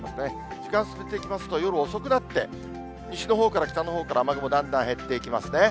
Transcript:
時間進めていきますと、夜遅くなって、西のほうから、北のほうから雨雲だんだん減っていきますね。